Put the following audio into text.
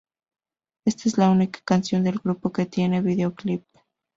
Ésta es la única canción del grupo que tiene videoclip.